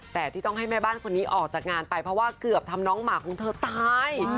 แต่ที่ต้องให้แม่บ้านคนนี้ออกจากงานไปเพราะว่าเกือบทำน้องหมากของเธอตาย